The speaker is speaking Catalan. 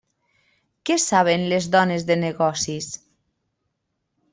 Què saben les dones de negocis?